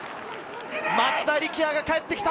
松田力也が帰って来た！